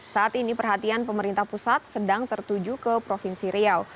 saat ini perhatian pemerintah pusat sedang tertuju ke provinsi riau